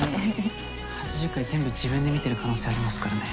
８０回全部自分で見てる可能性ありますからね。